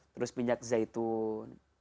terus minyak zaitun